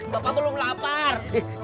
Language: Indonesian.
bapak belum lapar